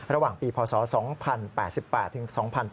ระหว่างปีพศ๒๐๘๘ถึง๒๕๘